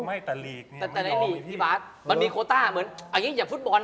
ไม่แต่หลีกเนี่ย